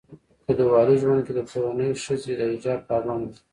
کلیوالي ژوندکي دکورنۍښځي دحجاب پابند وي